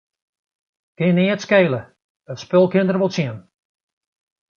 Kin neat skele, it spul kin der wol tsjin.